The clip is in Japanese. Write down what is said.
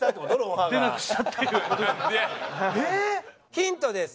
ヒントです。